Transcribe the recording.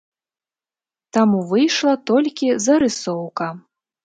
Таму выйшла толькі зарысоўка.